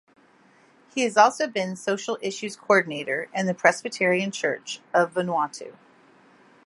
He has also been social issues coordinator in the Presbyterian Church of Vanuatu.